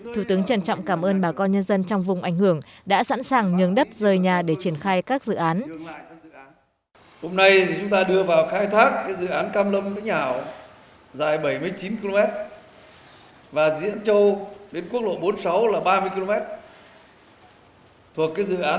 thủ tướng trân trọng cảm ơn bà con nhân dân trong vùng ảnh hưởng đã sẵn sàng nhướng đất rơi nhà để triển khai các dự án